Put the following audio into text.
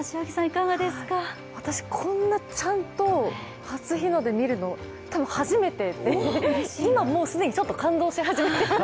私、こんなちゃんと初日の出見るの初めてで、今、もう既に感動し始めています。